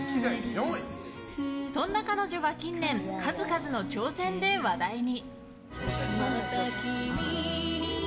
そんな彼女は近年数々の挑戦で話題に。